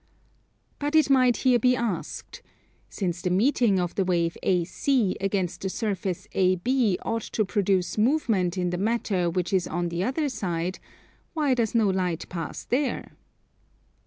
But it might here be asked: since the meeting of the wave AC against the surface AB ought to produce movement in the matter which is on the other side, why does no light pass there?